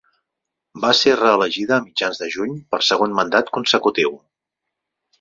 Va ser reelegida a mitjans de juny per segon mandat consecutiu.